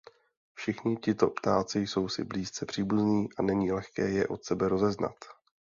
Všichni tito ptáci jsou si blízce příbuzní a není lehké je od sebe rozeznat.